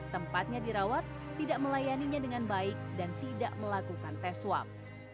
tempatnya dirawat tidak melayaninya dengan baik dan tidak melakukan tes swab